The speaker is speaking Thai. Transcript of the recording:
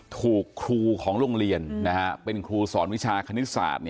ถูกครูของโรงเรียนเป็นครูสอนวิชาคณิตศาสตร์